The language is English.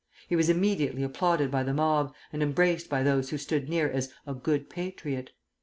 He was immediately applauded by the mob, and embraced by those who stood near as 'a good patriot.'